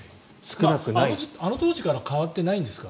あの当時から変わってないんですか？